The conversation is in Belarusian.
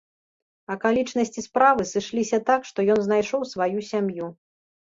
Акалічнасці справы сышліся так, што ён знайшоў сваю сям'ю.